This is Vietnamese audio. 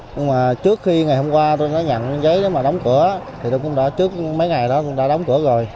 nhưng mà trước khi ngày hôm qua tôi đã nhận giấy đóng cửa trước mấy ngày đó cũng đã đóng cửa rồi